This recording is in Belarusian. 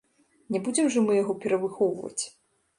Не будзем жа мы яго перавыхоўваць.